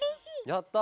やった！